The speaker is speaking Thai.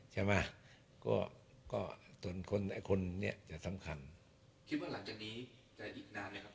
ใช่ไหมก็ก็คนคนเนี้ยจะสำคัญคิดว่าหลังจากนี้